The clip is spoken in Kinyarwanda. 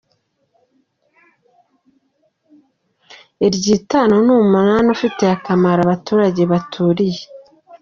Iryitanu n’umunani ifitiye akamaro abaturage baturiye